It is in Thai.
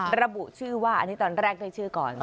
ระบุชื่อว่าอันนี้ตอนแรกได้ชื่อก่อน